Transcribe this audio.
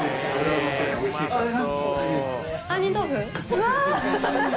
うわ！